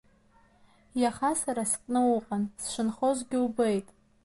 Иаха сара сҟны уҟан, сшынхогьы убеит.